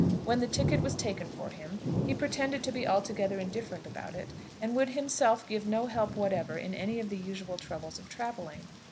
When the ticket was taken for him he pretended to be altogether indifferent about it, and would himself give no help whatever in any of the usual troubles of travelling.